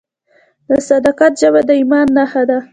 د صداقت ژبه د ایمان نښه ده.